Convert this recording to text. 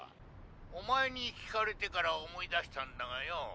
おまえに聞かれてから思い出したんだがよ